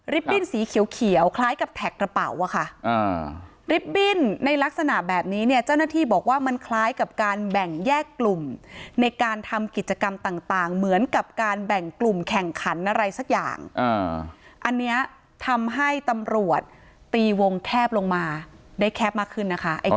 บิ้นสีเขียวคล้ายกับแท็กกระเป๋าอะค่ะลิฟต์บิ้นในลักษณะแบบนี้เนี่ยเจ้าหน้าที่บอกว่ามันคล้ายกับการแบ่งแยกกลุ่มในการทำกิจกรรมต่างเหมือนกับการแบ่งกลุ่มแข่งขันอะไรสักอย่างอันนี้ทำให้ตำรวจตีวงแคบลงมาได้แคบมากขึ้นนะคะ